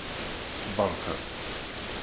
Berka!